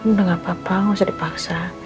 udah gak apa apa nggak usah dipaksa